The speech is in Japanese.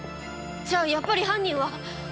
じゃあやっぱり犯人は。